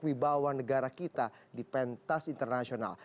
wibawa negara kita di pentas internasional